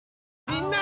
みんな！